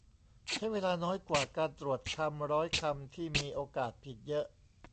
ใช้เวลาน้อยกว่าการตรวจคำร้อยคำที่มีโอกาสผิดเยอะ